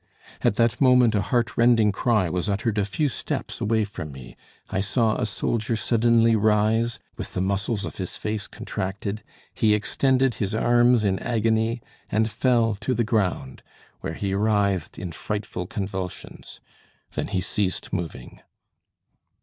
At that moment a heartrending cry was uttered a few steps away from me; I saw a soldier suddenly rise, with the muscles of his face contracted; he extended his arms in agony, and fell to the ground, where he writhed in frightful convulsions; then he ceased moving.